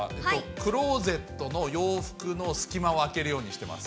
クローゼットの洋服の隙間を空けるようにしてます。